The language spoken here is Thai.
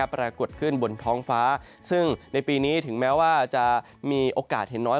ปรากฏขึ้นบนท้องฟ้าซึ่งในปีนี้ถึงแม้ว่าจะมีโอกาสเห็นน้อย